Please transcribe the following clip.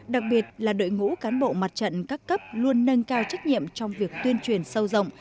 đặc biệt là đội ngũ cán bộ mặt trận các cấp luôn nâng cao trách nhiệm trong việc tuyên truyền sâu rộng